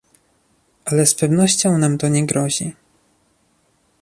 Ale z pewnością nam to nie grozi